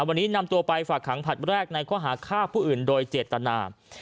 วันนี้นำตัวไปฝากขังผลัดแรกในข้อหาฆ่าผู้อื่นโดยเจตนา